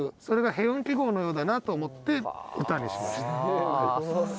それがヘ音記号のようだなと思って歌にしました。